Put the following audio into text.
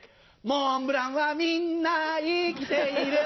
モンブランはみんな生きている